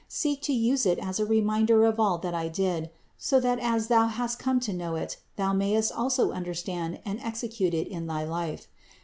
Seek to use it as a reminder of all that I did, so that as thou hast come to know it thou mayest also understand and execute it in thy life.